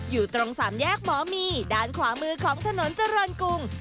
อยู่ตรงสามแยกหมอมีด้านขวามือของถนนเจริญกรุง